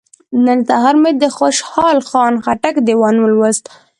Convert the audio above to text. نن سهار مې د خوشحال خان خټک دیوان ولوست.